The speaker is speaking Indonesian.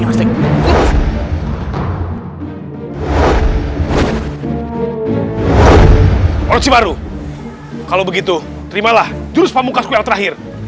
orchid baru kalau begitu terimalah jurus panggung kasku yang terakhir